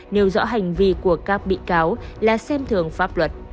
nêu rõ hành vi của các bị cáo là xem thường pháp luật